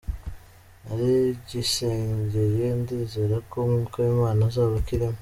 Naragisengeye, ndizera ko umwuka w’Imana azaba akirimo.